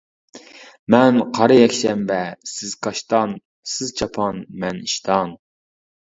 مەن قارا يەكشەنبە، سىز كاشتان، سىز چاپان، مەن ئىشتان.